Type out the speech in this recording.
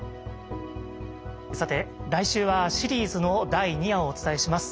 さて来週はシリーズの第二夜をお伝えします。